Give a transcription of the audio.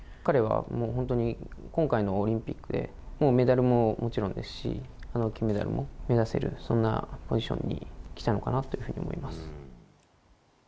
彼は本当に今回のオリンピックでメダルももちろんですし金メダルも目指せるそんなポジションにきたのかなと思います。